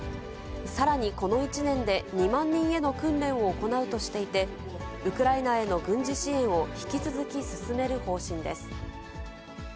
さらにこの１年で、２万人への訓練を行うとしていて、ウクライナへの軍事支援を引き続き進める方針です。